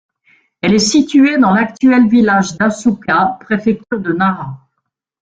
Elle est située dans l'actuel village d'Asuka, préfecture de Nara.